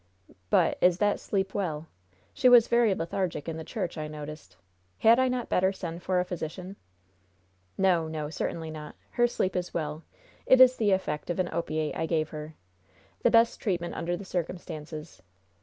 "But, is that sleep well? She was very lethargic in the church, I noticed. Had I not better send for a physician?" "No, no, certainly not. Her sleep is well. It is the effect of an opiate I gave her. The best treatment under the circumstances.